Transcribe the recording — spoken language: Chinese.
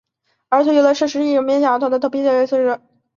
儿童游乐设施是一种面向儿童的投币游乐设施。